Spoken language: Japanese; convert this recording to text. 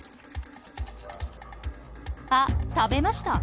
あっ食べました！